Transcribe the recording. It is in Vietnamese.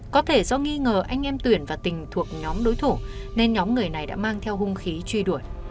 có thể do nghi ngờ anh em tuyển và tình thuộc nhóm đối thủ nên nhóm người này đã mang theo hung khí truy đuổi